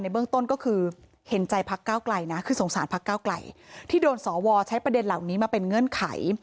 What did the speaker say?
เบื้องต้นก็คือเห็นใจพักก้าวไกลนะคือสงสารพักเก้าไกลที่โดนสวใช้ประเด็นเหล่านี้มาเป็นเงื่อนไข